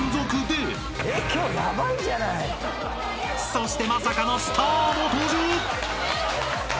［そしてまさかのスターも登場］